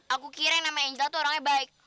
aku kira yang namanya angela tuh orangnya baik